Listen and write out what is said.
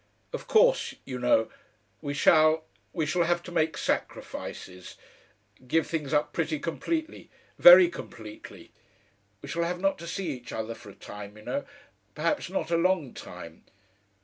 Of course, you know.... We shall we shall have to make sacrifices. Give things up pretty completely. Very completely.... We shall have not to see each other for a time, you know. Perhaps not a long time.